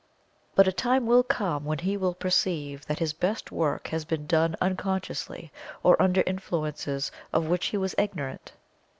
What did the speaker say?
But a time will come when he will perceive that his best work has been done unconsciously, or under influences of which he was ignorant.